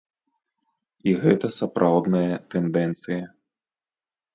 І гэта сапраўдная тэндэнцыя.